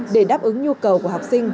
để đáp ứng nhu cầu của học sinh